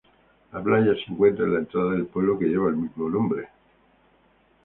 La playa se encuentra en la entrada del pueblo que lleva el mismo nombre.